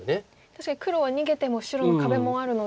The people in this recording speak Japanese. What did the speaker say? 確かに黒は逃げても白の壁もあるので。